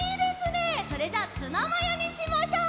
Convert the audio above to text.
それじゃあツナマヨにしましょう！